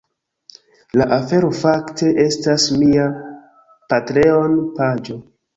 La afero fakte estas mia Patreon paĝo